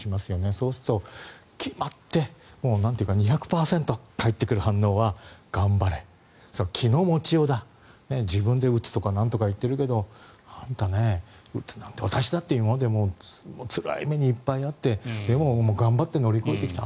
そうすると、決まってなんというか２００％返ってくる反応は頑張れ気の持ちようだ自分でうつとかなんとか言っているけどあなたね、うつなんて私だって今までつらい目にいっぱい遭ってでも、頑張って乗り越えてきた。